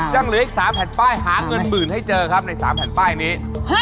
ยังเหลืออีก๓แผ่นป้ายหาเงินหมื่นให้เจอครับใน๓แผ่นป้ายนี้